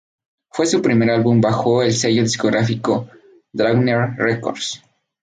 Fue su primer álbum bajo el sello discográfico Roadrunner Records.